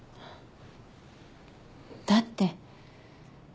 だって。